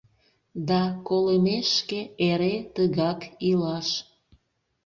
Да колымешке эре тыгак илаш.